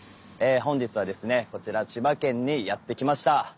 本日はですねこちら千葉県にやって来ました。